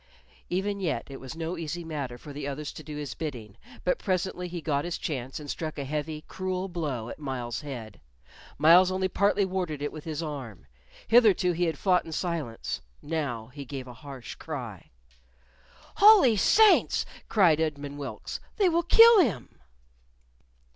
Even yet it was no easy matter for the others to do his bidding, but presently he got his chance and struck a heavy, cruel blow at Myles's head. Myles only partly warded it with his arm. Hitherto he had fought in silence, now he gave a harsh cry. "Holy Saints!" cried Edmund Wilkes. "They will kill him."